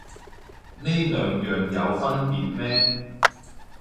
呢兩樣有分別咩